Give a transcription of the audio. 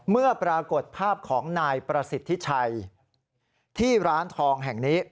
ปรากฏภาพของนายประสิทธิชัยที่ร้านทองแห่งนี้